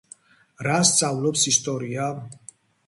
რას სწავლობს ისტორია?